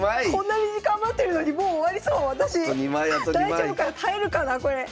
大丈夫かな耐えるかなこれ。